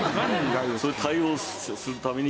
それで対応するために。